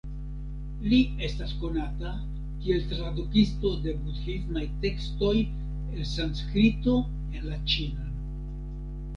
Li estas konata kiel tradukisto de budhismaj tekstoj el Sanskrito en la ĉinan.